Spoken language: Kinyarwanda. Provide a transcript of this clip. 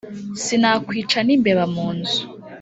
Sinakwica n'imbeba mu nzu.